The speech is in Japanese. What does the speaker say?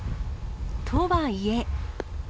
とはいえ。